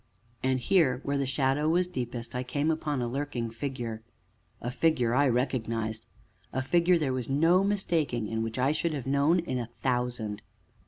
And here, where the shadow was deepest, I came upon a lurking figure a figure I recognized a figure there was no mistaking, and which I should have known in a thousand.